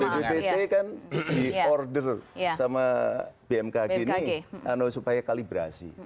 bbbt kan di order sama bmkg ini supaya kalibrasi